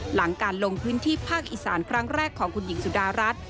หลังการลงพื้นที่ภาคอีสานครั้งแรกของคุณหญิงสุดารัฐ